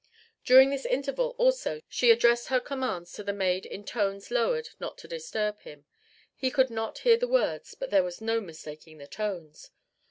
During this interval also she addressed her commands to the maid in tones lowered not to disturb him. He could not hear the words, but there was no mistaking the tones!